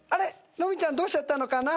ロミちゃんどうしちゃったのかな？